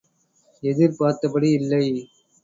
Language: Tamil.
எதிர் பார்த்தபடி இல்லை.